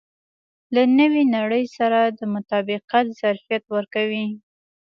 له نوې نړۍ سره د مطابقت ظرفیت ورکوي.